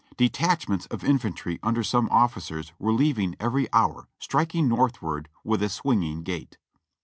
Detachments of infantry under some officers were leaving every hour striking northward with a swinging gait.